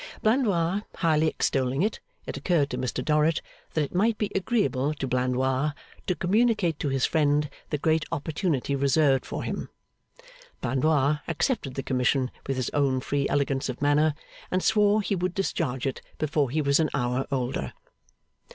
Blandois highly extolling it, it occurred to Mr Dorrit that it might be agreeable to Blandois to communicate to his friend the great opportunity reserved for him. Blandois accepted the commission with his own free elegance of manner, and swore he would discharge it before he was an hour older.